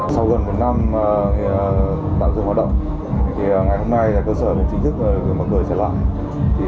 sau gần một năm tạm dựng hoạt động thì ngày hôm nay cơ sở đã chính thức mở cửa trở lại